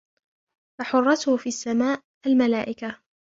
فَحُرَّاسُهُ فِي السَّمَاءِ الْمَلَائِكَةُ